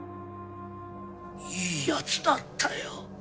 いいやつだったよ